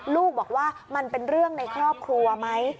ลูกบอกว่ามันเป็นเรื่องในครอบครัวไหม